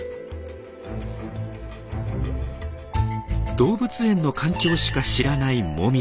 動物園の環境しか知らないもみじ。